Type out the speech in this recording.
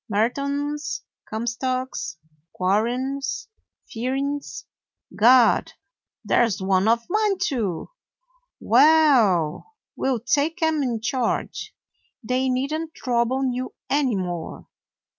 Merton's, Comstock's, Quarren's, Fearings' — Gad ! there 's one of mine, too. Well, we 'll take 'em in charge. They need n't trouble you any more.